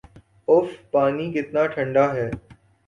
if پانی کتنا ٹھنڈا ہے